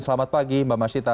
selamat pagi mbak masyita